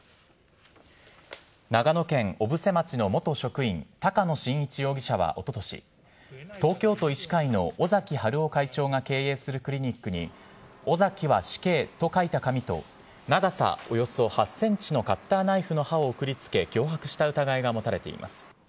長野県小布施町の元職員、高野伸一容疑者はおととし、東京都医師会の尾崎治夫会長が経営するクリニックに、オザキハシケイと書いた紙と、長さおよそ８センチのカッターナイフの刃を送りつけ、脅迫した疑いが持たれています。